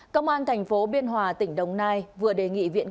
công an tp biên hòa tỉnh đồng nai vừa đề nghị viện công an